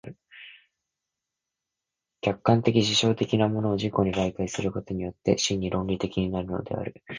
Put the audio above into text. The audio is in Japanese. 客観的実証的なものを自己に媒介することによって真に論理的になるのである。